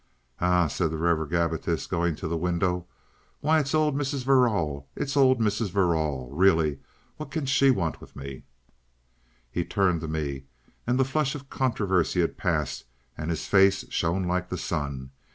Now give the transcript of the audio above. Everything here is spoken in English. "Eh!" said the Rev. Gabbitas, going to the window. "Why, it's old Mrs. Verrall! It's old Mrs. Verrall. Really! What can she want with me?" He turned to me, and the flush of controversy had passed and his face shone like the sun.